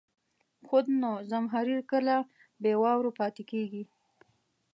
خود نو، زمهریر کله بې واورو پاتې کېږي.